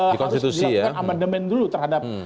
harus dilakukan amandemen dulu terhadap